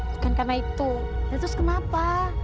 bukan karena itu terus kenapa